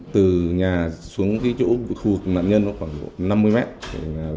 từ nhà xuống cái chỗ khu nạn nhân nó khoảng năm mươi mét